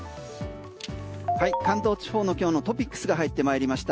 関東地方の今日のトピックスが入ってまいりました。